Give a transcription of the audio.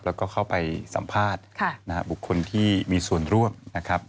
แล้วก็เข้าไปสัมภาษณ์บุคคลที่มีส่วนร่วมนะครับ